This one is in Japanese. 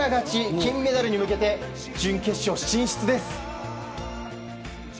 金メダルに向けて準決勝進出です。